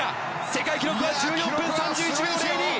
世界記録は１４分３１秒０２！